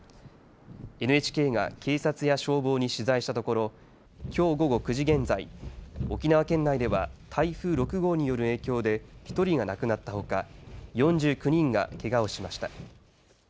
ＮＨＫが警察や消防に取材したところきょう午後９時現在沖縄県内では台風６号による影響で１人が亡くなったほか４９人がけがをしました。